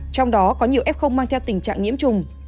trong đó có nhiều f mang theo tình trạng nhiễm trùng